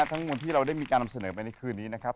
ทั้งหมดที่เราได้มีการนำเสนอไปในคืนนี้นะครับ